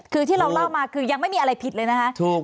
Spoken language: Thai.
คือที่เราเล่ามาคือยังไม่มีอะไรผิดเลยนะคะถูก